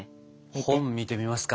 本見てみますか。